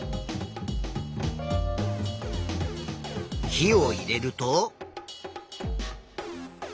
火を入れると。